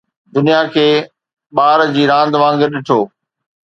دنيا کي ٻار جي راند وانگر ڏٺو